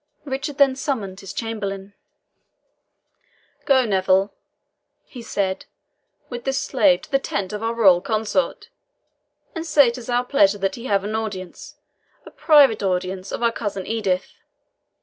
Richard then summoned his chamberlain. "Go, Neville," he said, "with this slave to the tent of our royal consort, and say it is our pleasure that he have an audience a private audience of our cousin Edith.